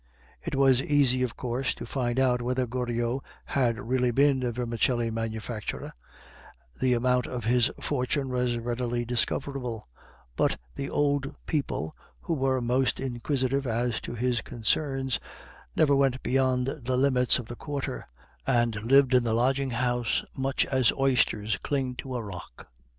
It was easy, of course, to find out whether Goriot had really been a vermicelli manufacturer; the amount of his fortune was readily discoverable; but the old people, who were most inquisitive as to his concerns, never went beyond the limits of the Quarter, and lived in the lodging house much as oysters cling to a rock.